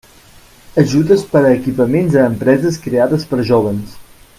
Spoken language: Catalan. Ajudes per a equipament a empreses creades per jóvens.